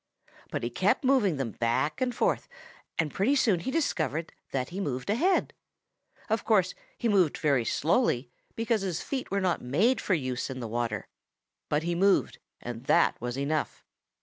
But he kept moving them back and forth, and pretty soon he discovered that he moved ahead. Of course he moved very slowly, because his feet were not made for use in the water, but he moved, and that was enough.